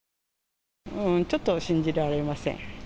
ちょっと信じられません。